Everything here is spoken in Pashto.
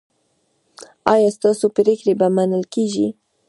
ایا ستاسو پریکړې به منل کیږي؟